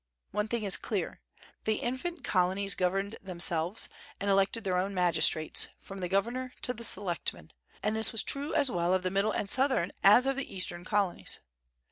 One thing is clear: the infant Colonies governed themselves, and elected their own magistrates, from the governor to the selectmen; and this was true as well of the Middle and Southern as of the Eastern Colonies.